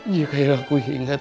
jika yang aku ingat